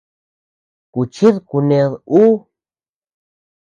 Kuchid kuned ú.